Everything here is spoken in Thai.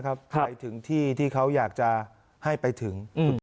ไปถึงที่ที่เขาอยากจะให้ไปถึง